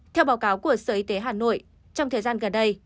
theo báo cáo của sở y tế hà nội trong thời gian gần đây